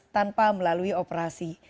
tanpa melalui operasi